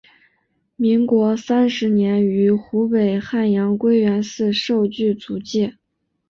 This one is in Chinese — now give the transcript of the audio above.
民国三十年于湖北汉阳归元寺受具足戒。